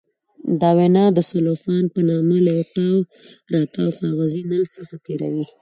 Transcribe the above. دا وینه د سلوفان په نامه له یو تاوراتاو کاغذي نل څخه تېروي.